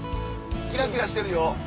キラキラしてるよ。